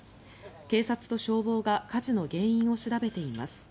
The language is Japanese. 警察と消防が火事の原因を調べています。